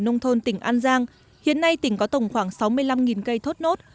nông thôn tỉnh an giang hiện nay tỉnh có tổng khoảng sáu mươi năm cây thốt nốt